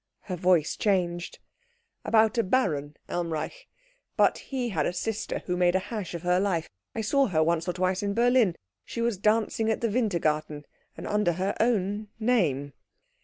Her voice changed. "About a Baron Elmreich. But he had a sister who made a hash of her life. I saw her once or twice in Berlin. She was dancing at the Wintergarten, and under her own name."